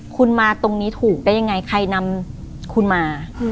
คุณมาตรงนี้ถูกได้ยังไงใครนำคุณมา